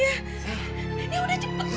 yaudah cepet mas